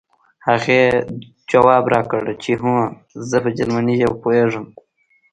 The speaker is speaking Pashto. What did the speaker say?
هغې ځواب راکړ چې هو زه په جرمني ژبه پوهېږم